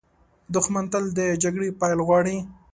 دښمن تل د جګړې پیل غواړي